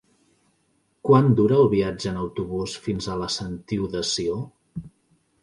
Quant dura el viatge en autobús fins a la Sentiu de Sió?